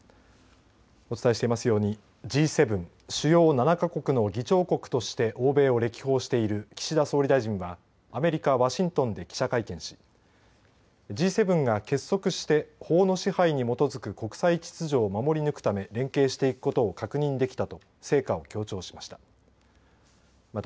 お伝えしていますようにＧ７＝主要７か国の議長国として欧米を歴訪している岸田総理大臣はアメリカ・ワシントンで記者会見しＧ７が結束して法の支配に基づく国際秩序を守り抜くため連携していくことを確認できたと成果を強調しました。